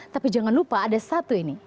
tapi jangan lupa ada satu ini